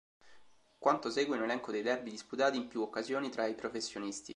Quanto segue è un elenco dei derby disputati in più occasioni tra i professionisti.